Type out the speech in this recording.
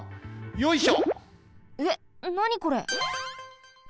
よいしょ！